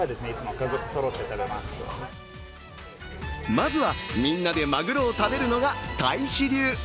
まずは、みんなでマグロを食べるのが大使流。